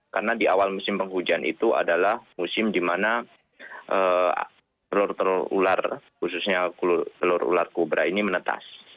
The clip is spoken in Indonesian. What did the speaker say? karena di awal musim penghujan itu adalah musim di mana telur telur ular khususnya telur ular kobra ini menetas